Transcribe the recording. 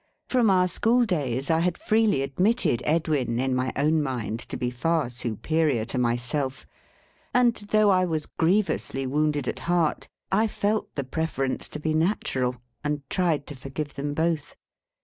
From our school days I had freely admitted Edwin, in my own mind, to be far superior to myself; and, though I was grievously wounded at heart, I felt the preference to be natural, and tried to forgive them both.